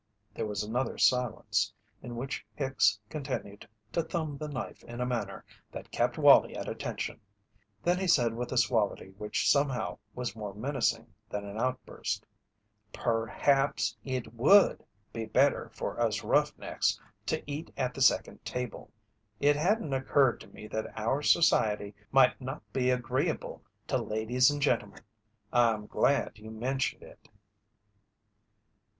There was another silence, in which Hicks continued to thumb the knife in a manner that kept Wallie at a tension, then he said with a suavity which somehow was more menacing than an outburst: "Perhaps it would be better for us rough necks to eat at the second table. It hadn't occurred to me that our society might not be agreeable to ladies and gentlemen. I'm glad you mentioned it."